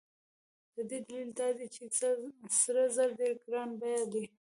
د دې دلیل دا دی چې سره زر ډېر ګران بیه دي.